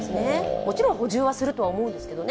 もちろん補充はすると思うんですけれども。